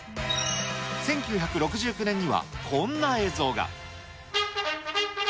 １９６９年には、こんな映像が。